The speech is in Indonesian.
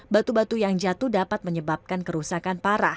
batu batu yang jatuh dapat menyebabkan kerusakan parah